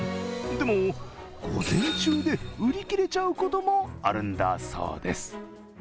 でも午前中で売り切れちゃうこともあるんだそうです。